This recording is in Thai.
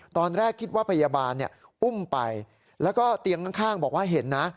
ตอนแรกคิดว่าพยาบาลอุ้มไปแล้วก็เตียงข้างบอกว่าเห็นนะ